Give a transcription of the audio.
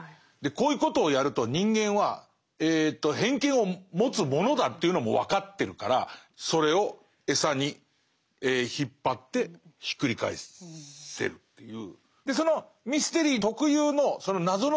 こういうことをやると人間は偏見を持つものだというのも分かってるからそれを餌に引っ張ってひっくり返せるという。